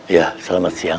ya selamat siang